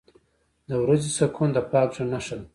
• د ورځې سکون د پاک زړه نښه ده.